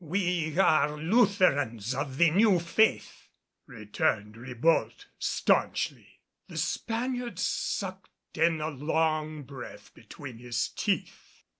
"We are Lutherans of the New Faith," returned Ribault, staunchly. The Spaniard sucked in a long breath between his teeth.